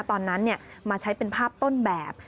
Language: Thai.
ตอนนั้นมาใช้เป็นภาพต้นแบบ